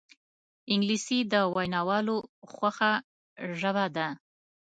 انګلیسي د ویناوالو خوښه ژبه ده